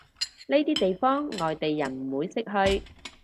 呢啲地方外地人唔會識去